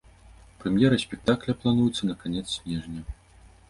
Прэм'ера спектакля плануецца на канец снежня.